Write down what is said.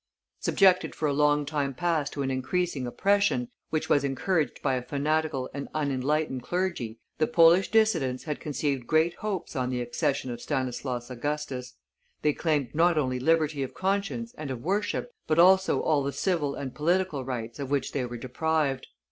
Subjected for a long time past to an increasing oppression, which was encouraged by a fanatical and unenlightened clergy, the Polish dissidents had conceived great hopes on the accession of Stanislaus Augustus; they claimed not only liberty of conscience and of worship, but also all the civil and political rights of which they were deprived.